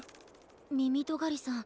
みみとがりさん